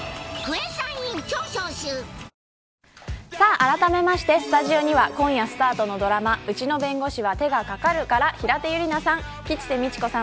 あらためましてスタジオには今夜スタートのドラマうちの弁護士は手がかかる、から平手友梨奈さん吉瀬美智子さん